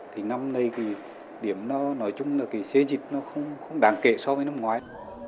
thì năm nay thì điểm nó nói chung là cái xế dịch nó không đáng kể so với năm ngoái